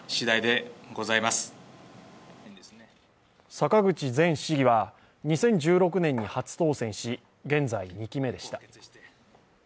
坂口前市議は２０１６年に初当選し、現在２期目でした。